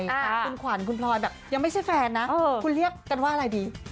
คุณขวัญคุณพลอยแบบยังไม่ใช่แฟนนะคุณเรียกกันว่าอะไรดี